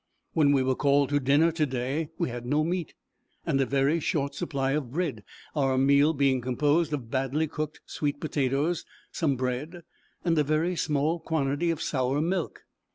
When we were called to dinner to day, we had no meat, and a very short supply of bread; our meal being composed of badly cooked sweet potatoes, some bread, and a very small quantity of sour milk.